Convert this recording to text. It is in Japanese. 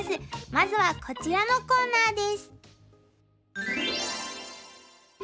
まずはこちらのコーナーです。